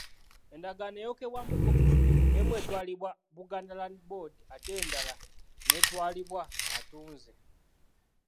Endagaano eyokebwamu kkopi bbiri, emu etwalibwa Buganda Land Board ate endala n’etwalibwa atunze.